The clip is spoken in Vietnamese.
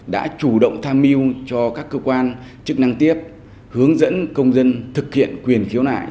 đã chủ động tham mưu cho các cơ quan chức năng tiếp hướng dẫn công dân thực hiện quyền khiếu nại